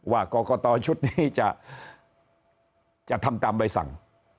ว่ากรกตชุดนี้จะทำตามใบสั่ง